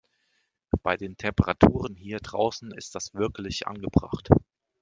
Bei den Temperaturen hier draußen ist das wirklich angebracht.